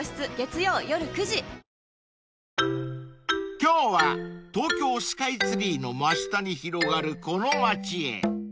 ［今日は東京スカイツリーの真下に広がるこの町へ］